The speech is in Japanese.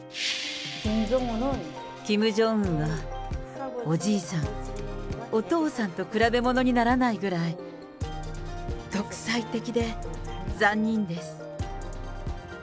キム・ジョンウンは、おじいさん、お父さんと比べ物にならないぐらい、独裁的で残忍です。